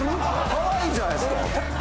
可愛いじゃないですか。